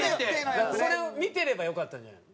それを見てればよかったんじゃないの？